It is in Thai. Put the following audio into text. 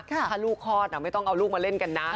ถ้าลูกคลอดไม่ต้องเอาลูกมาเล่นกันนะ